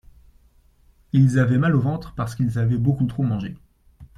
Ils avaient mal au ventre parce qu’ils avaient beaucoup trop mangé.